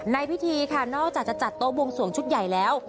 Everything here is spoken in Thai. ในพิธีค่ะนอกจากจะจัดโต๊ะบวงสวงชุดใหญ่แล้ว